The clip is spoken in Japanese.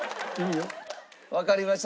わかりました。